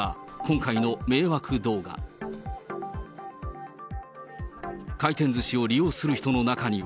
回転ずしを利用する人の中には。